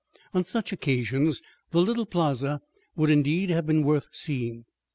On such occasions the little plaza would indeed have been worth seeing.